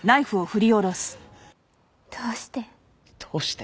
どうして？